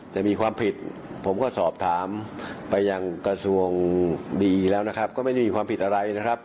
จะมีความผิดผมก็สอบถามไปยังกระทรวงดีแล้วนะครับก็ไม่ได้มีความผิดอะไรนะครับ